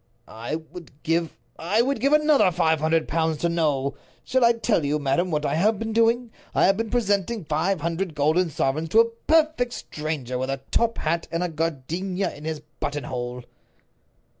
"I would give—I would give another five hundred pounds to know. Shall I tell you, madam, what I have been doing? I have been presenting five hundred golden sovereigns to a perfect stranger, with a top hat, and a gardenia in his buttonhole."